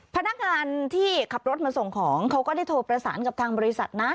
พนักงานที่ขับรถมาส่งของเขาก็ได้โทรประสานกับทางบริษัทนะ